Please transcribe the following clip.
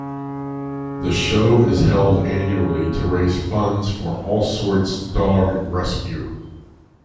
The show is held annually to raise funds for Allsorts Dog Rescue.